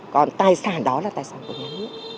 còn tài sản đó là tài sản của nhà nước